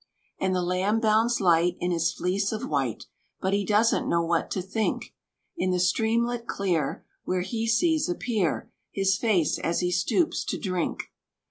And the lamb bounds light In his fleece of white, But he doesn't know what to think, In the streamlet clear, Where he sees appear His face as he stoops to drink.